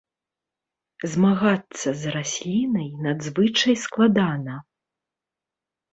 Змагацца з раслінай надзвычай складана.